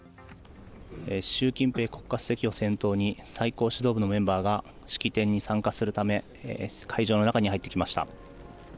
習近平国家主席を先頭に最高指導部のメンバーが式典に参加するため会場の中に入ってきました。